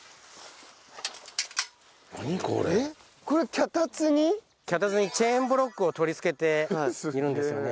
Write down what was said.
脚立にチェーンブロックを取り付けているんですよね。